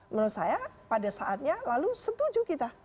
menurut saya pada saatnya lalu setuju kita